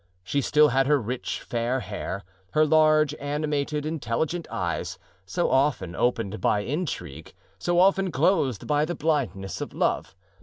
She still had her rich fair hair; her large, animated, intelligent eyes, so often opened by intrigue, so often closed by the blindness of love.